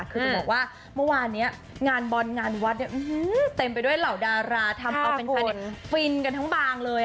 คือจะบอกว่าเมื่อวานนี้งานบลงานวัดเนี่ยเต็มไปด้วยเหลาดารา